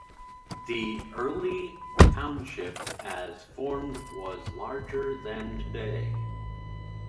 The early township as formed was larger than today.